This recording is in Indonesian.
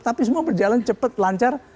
tapi semua berjalan cepat lancar